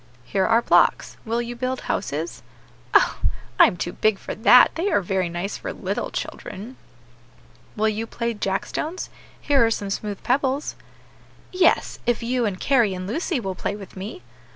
"Here are blocks; will you build houses?" "Oh! I am too big for that; they are very nice for little children." "Will you play jack stones? here are some smooth pebbles." "Yes, if you and Carry, and Lucy, will play with me."